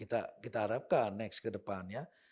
itu yang kita harapkan next kedepannya